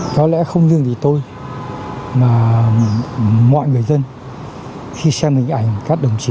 có lẽ không chỉ vì tôi mà mọi người dân khi xem hình ảnh các đồng chí